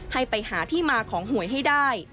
ให้ไปหาที่มาของหวยให้ได้